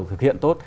thực hiện tốt